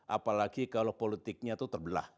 apalagi kalau politiknya itu terbelah